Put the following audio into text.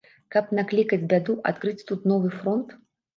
Каб наклікаць бяду, адкрыць тут новы фронт?